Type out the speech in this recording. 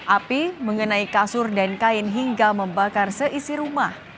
api mengenai kasur dan kain hingga membakar seisi rumah